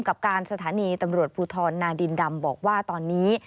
กับการสถานีตำรวจภูทรนาดินดำบอกว่าตอนนี้